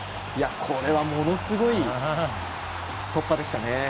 これは、ものすごい突破でしたね。